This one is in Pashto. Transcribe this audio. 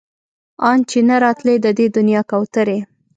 ان چې نه راتلی د دې دنيا کوترې